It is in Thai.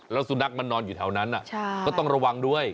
แล้วสุนัขมันนอนอยู่แถวนั้นก็ต้องระวังด้วย